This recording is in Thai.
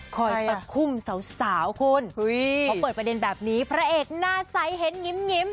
คอยตะคุ่มสาวสาวคุณพอเปิดประเด็นแบบนี้พระเอกหน้าใสเห็นยิ้ม